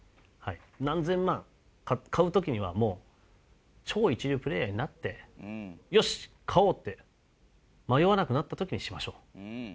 何千万買う時には超一流プレーヤーになって「よし買おう！」って迷わなくなった時にしましょう。